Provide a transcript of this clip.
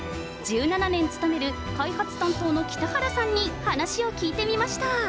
１７年勤める開発担当の北原さんに話を聞いてみました。